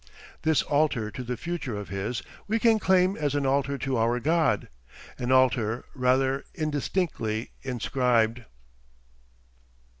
This altar to the Future of his, we can claim as an altar to our God an altar rather indistinctly inscribed.